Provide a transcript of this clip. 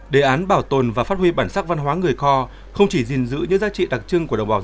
đề án bảo tồn và phát huy bản sắc văn hóa người co không chỉ gìn giữ những giá trị đặc trưng của đồng bào dân tộc